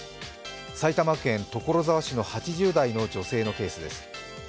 埼玉県所沢市の８０代の女性のケースです。